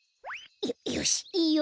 よよしいいよ。